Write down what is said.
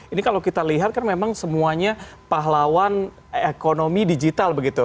ini kalau kita lihat kan memang semuanya pahlawan ekonomi digital begitu